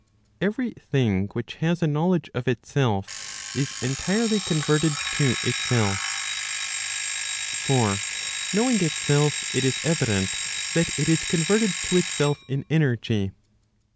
Every thing which has a knowledge of itself, is entirely converted to itself. For knowing itself, it is evident that it is converted to itself in energy.